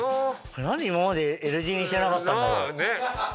何で今までＬ字にしてなかったんだろう？